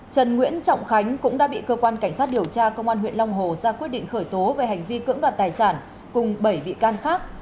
trần nguyễn trọng khánh cũng đã bị cơ quan cảnh sát điều tra công an huyện long hồ ra quyết định khởi tố về hành vi cưỡng đoạt tài sản cùng bảy bị can khác